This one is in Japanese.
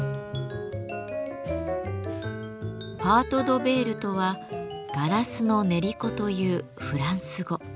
パート・ド・ヴェールとは「ガラスの練り粉」というフランス語。